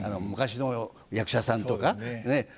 昔の役者さんとかね。